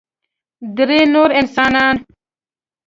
درې نور انسانان